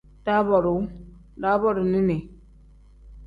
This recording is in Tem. Daabooruu pl: daaboorini n.